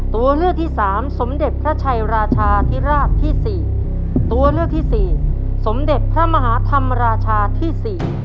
ตัวเลือกที่สามสมเด็จพระชัยราชาธิราชที่สี่ตัวเลือกที่สี่สมเด็จพระมหาธรรมราชาที่สี่